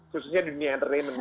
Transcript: khususnya di dunia entertainment